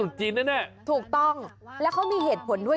ทันตรุษจีนแน่ใช่ถูกต้องแล้วเขามีเหตุผลด้วย